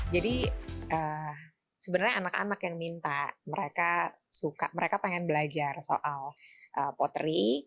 jadi sebenarnya anak anak yang minta mereka suka mereka pengen belajar soal pottery